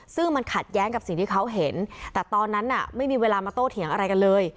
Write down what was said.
ซึ่งมันขัดแย้งกับสิ่งที่เขาเห็นแต่ตอนนั้นน่ะไม่มีเวลามาโต้เถียงอะไรกันเลย